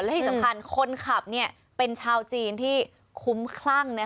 และที่สำคัญคนขับเป็นชาวจีนที่คุ้มคลั่ง